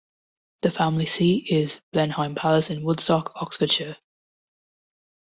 The family seat is Blenheim Palace in Woodstock, Oxfordshire.